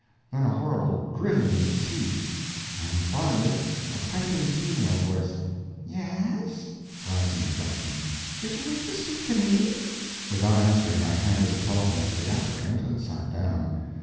_ then a horrible "gritting" of teeth, and finally a piping female voice: Y e s? (Rising inflection.) Did you wish to speak to me? Without answering, I handed the telephone to the applicant, and sat down.